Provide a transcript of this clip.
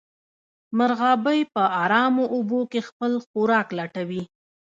مرغابۍ په ارامو اوبو کې خپل خوراک لټوي